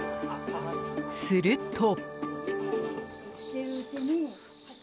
すると。